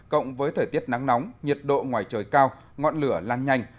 cộng với thời tiết nắng nóng nhiệt độ ngoài trời cao ngọn lửa lan nhanh